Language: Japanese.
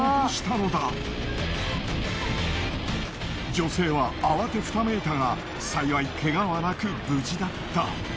女性は慌てふためいたが幸いけがはなく無事だった。